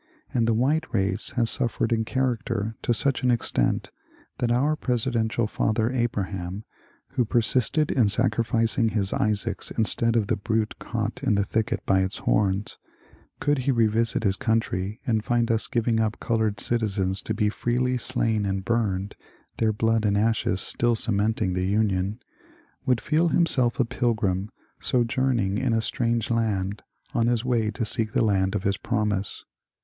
And the white race has suffered in character to such an extent that our presidential Father Abraham — who persisted in sacrificing his Isaacs instead of the brute caught in the thicket by its horns — could he revisit his country and find us giving up col oured citizens to be freely slain and burned, their blood and ashes still cementing the Union, would feel himself a pilg^m sojourning in a strange land on his way to seek the land of his. promise.